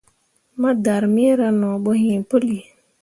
Ma darmeera no bo iŋ puli.